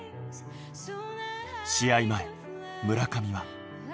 試合前、村上は。